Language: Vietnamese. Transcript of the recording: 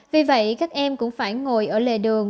vì vậy các em cũng phải ngồi dưới phòng tay của mẹ để ngủ